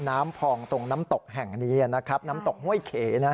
น้ำพองตรงน้ำตกแห่งนี้นะครับน้ำตกห้วยเขนะฮะ